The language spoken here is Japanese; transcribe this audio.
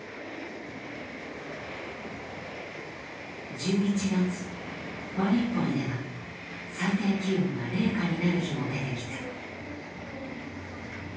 １１月マリウポリでは最低気温が零下になる日も出てきた。